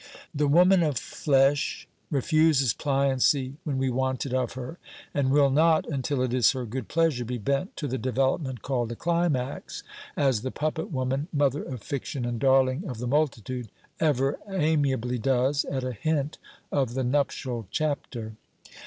The woman of flesh refuses pliancy when we want it of her, and will not, until it is her good pleasure, be bent to the development called a climax, as the puppet woman, mother of Fiction and darling of the multitude! ever amiably does, at a hint of the Nuptial Chapter.